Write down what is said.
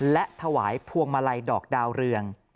และถวายพวงมาลัยดอกดาวเรือง